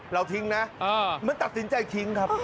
เราทิ้งนะเหมือนตัดสินใจทิ้งครับ